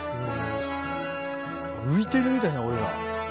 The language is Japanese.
浮いてるみたいだ俺ら。